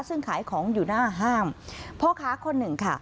ซึ่งขายของอยู่หน้าห้างพ่อค้าคนหนึ่งค่ะ